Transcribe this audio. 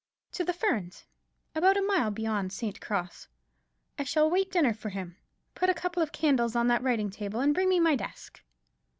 "To the Ferns, about a mile beyond St. Cross. I shall wait dinner for him. Put a couple of candles on that writing table, and bring me my desk."